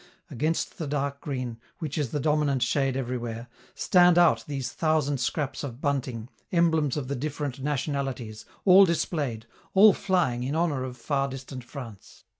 Against the dark green, which is the dominant shade everywhere, stand out these thousand scraps of bunting, emblems of the different nationalities, all displayed, all flying in honor of far distant France.